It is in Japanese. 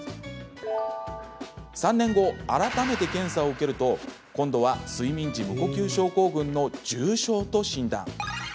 ３年後、改めて検査を受けると今度は睡眠時無呼吸症候群の重症と診断。